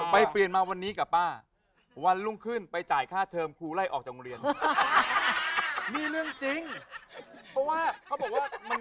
ไปเปลี่ยนมาวันนี้กับป้าวันรุ่งขึ้นไปจ่ายค่าเทิมครูไล่ออกจากโรงเรียน